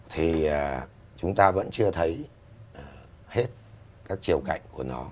thì chúng ta vẫn chưa thấy hết các chiều cảnh